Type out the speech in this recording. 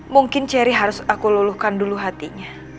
mungkin cherry harus aku luluhkan dulu hatinya